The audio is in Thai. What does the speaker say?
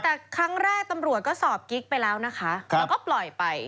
แต่ครั้งแรกตำรวจก็สอบกิ๊กไปแล้วนะคะแล้วก็ปล่อยไป